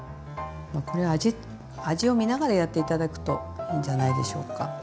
これは味を見ながらやって頂くといいんじゃないでしょうか。